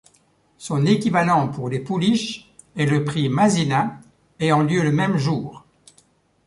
Son équivalent pour les pouliches est le Prix Masina ayant lieu le même jour.